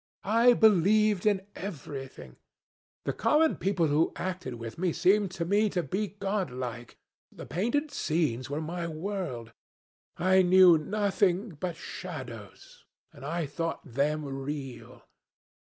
I believed in everything. The common people who acted with me seemed to me to be godlike. The painted scenes were my world. I knew nothing but shadows, and I thought them real.